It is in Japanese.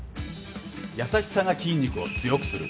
優しさが筋肉を強くする！